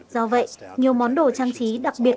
do vậy nhiều món đồ trang trí đặc biệt